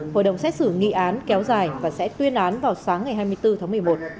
hội đồng xét xử nghị án kéo dài và sẽ tuyên án vào sáng ngày hai mươi bốn tháng một mươi một